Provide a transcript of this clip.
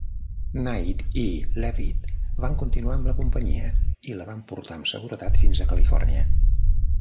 Knight i Leavitt van continuar amb la companyia i la van portar amb seguretat fins a Califòrnia.